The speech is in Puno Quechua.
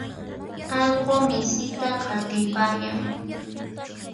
Allqu misita qatipayan.